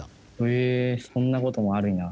へえそんなこともあるんや。